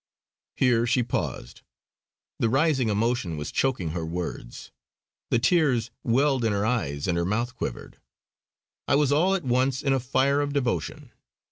Here she paused; the rising emotion was choking her words. The tears welled into her eyes and her mouth quivered. I was all at once in a fire of devotion.